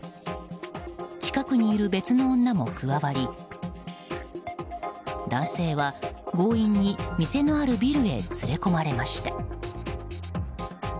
近くにいる別の女も加わり男性は強引に、店のあるビルへ連れ込まれました。